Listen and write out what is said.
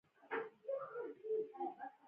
الماري د سامان تنظیم ساتي